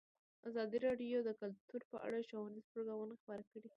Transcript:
ازادي راډیو د کلتور په اړه ښوونیز پروګرامونه خپاره کړي.